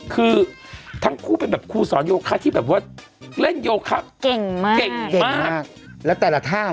คือทั้งครูเป็นครูสอนยูฆาที่แบบว่าเล่นยูฆาเก่งมาก